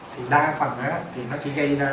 thì đa phần á thì nó chỉ gây ra